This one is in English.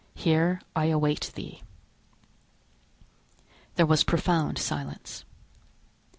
Here I await thee!" There was profound silence.